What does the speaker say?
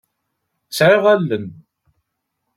Sɛiɣ allen.